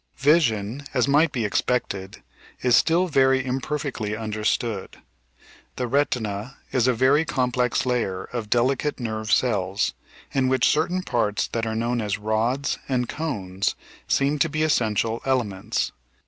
Vision, as might be expected, is still very imperfectly mider stood. The retina is a very complex layer of delicate nerve cells, in which certain parts that are known as "rods" and "cones'* seem to be the essential elements.